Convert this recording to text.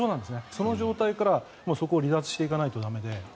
その状態から、そこを離脱していかないと駄目で。